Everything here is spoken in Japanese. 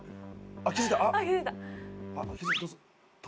あっ気付いた。